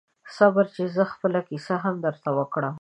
صبر چې زه خپله کیسه هم درته وکړم